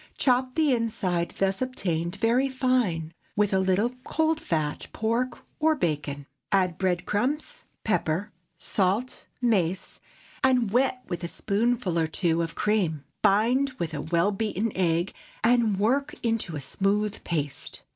Chop the inside thus obtained very fine, with a little cold fat pork or bacon. Add bread crumbs, pepper, salt, mace, and wet with a spoonful or two of cream. Bind with a well beaten egg, and work into a smooth paste.